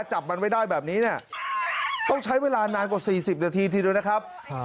จับมันไว้ได้แบบนี้เนี่ยต้องใช้เวลานานกว่า๔๐นาทีทีเดียวนะครับ